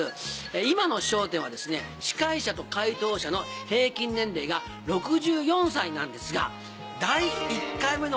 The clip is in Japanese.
今の『笑点』は司会者と回答者の平均年齢が６４歳なんですが。